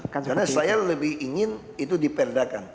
karena saya lebih ingin itu diperdakan